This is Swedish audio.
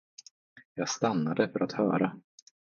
Jag stannade för att höra.